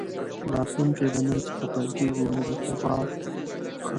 راتلونکی د نن څخه پيل کېږي نه د سبا څخه.